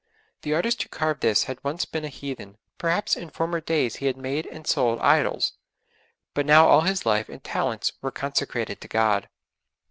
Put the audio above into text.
The artist who carved this had once been a heathen; perhaps in former days he had made and sold idols, but now all his life and talents were consecrated to God.